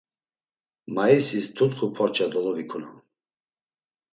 Maisis tutxu porça dolovikunam.